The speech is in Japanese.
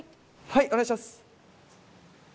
はいお願いします。